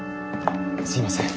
すいません。